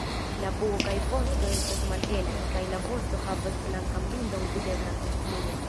La pugo kaj vosto estas malhelaj, kaj la vosto havas blankan bildon videblan dumfluge.